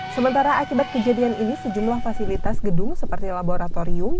sementara akibat kejadian ini sejumlah fasilitas gedung seperti laboratorium